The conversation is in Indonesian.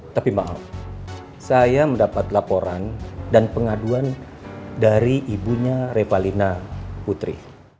tapi maaf saya mendapat laporan dan pengaduan dari ibunya revalina putri